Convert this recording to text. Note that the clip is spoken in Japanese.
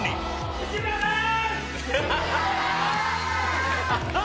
内村さん！